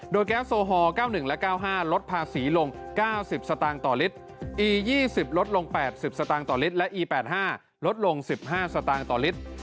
โดยแก๊สโซฮอล์เก้าหนึ่งและเก้าห้าลดภาษีลงเก้าสิบสตางค์ต่อลิตรอียี่สิบลดลงแปดสิบสตางค์ต่อลิตรและอีแปดห้าลดลงสิบห้าสตางค์ต่อลิตร